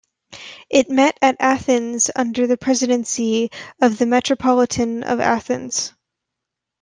It met at Athens under the presidency of the Metropolitan of Athens.